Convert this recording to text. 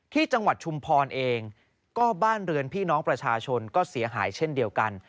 จังหวัดชุมพรเองก็บ้านเรือนพี่น้องประชาชนก็เสียหายเช่นเดียวกัน